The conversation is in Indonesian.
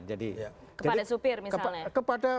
kepada supir misalnya